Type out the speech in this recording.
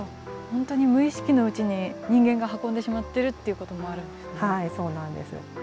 本当に無意識のうちに人間が運んでしまってるっていうこともあるんですね。